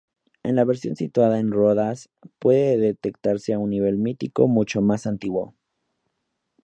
En la versión situada en Rodas puede detectarse un nivel mítico mucho más antiguo.